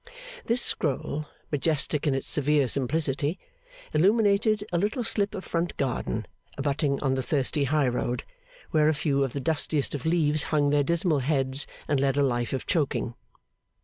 This scroll, majestic in its severe simplicity, illuminated a little slip of front garden abutting on the thirsty high road, where a few of the dustiest of leaves hung their dismal heads and led a life of choking.